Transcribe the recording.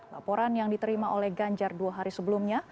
laporan yang diterima oleh ganjar dua hari sebelumnya